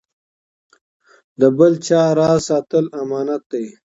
د بل چا راز ساتل امانت دی.